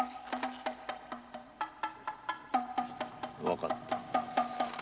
わかった。